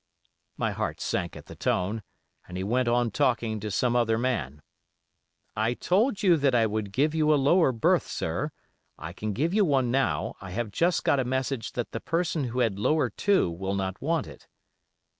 My heart sank at the tone, and he went on talking to some other man. 'I told you that I would give you a lower berth, sir, I can give you one now, I have just got a message that the person who had "lower two" will not want it.